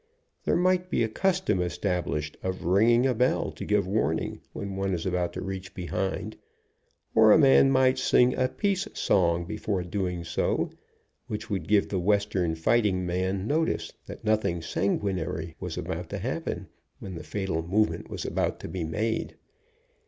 There might be a custom established of ringing a bell, to give warning, when one is about to reach behind, or a man might sing a peace song before doing so, which would give the Western fighting man notice that nothing sanguinary was about to happen, when the fatal movement was about to be made.